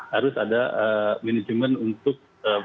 harus ada manajemen untuk